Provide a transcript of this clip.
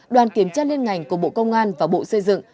đoàn kiểm tra liên ngành của bộ công an và bộ xây dựng